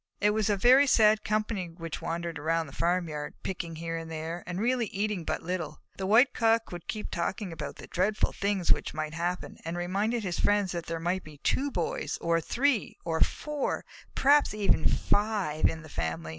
It was a very sad company which wandered around the farmyard, picking here and there, and really eating but little. The White Cock would keep talking about the dreadful things which might happen, and reminded his friends that there might be two Boys, or three, or four, perhaps even five in the family!